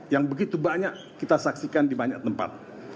yang begitu banyak kita saksikan di banyak tempat